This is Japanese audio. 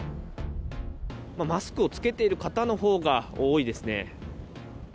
マスクを着けている方のほうが多いですね。